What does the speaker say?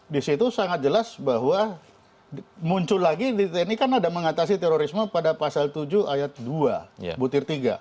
di situ sangat jelas bahwa muncul lagi di tni kan ada mengatasi terorisme pada pasal tujuh ayat dua butir tiga